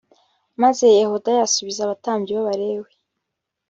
Maze Yehoyada asubiza abatambyi b Abalewi